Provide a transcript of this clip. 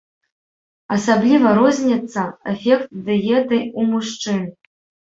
Асабліва розніцца эфект дыеты ў мужчын.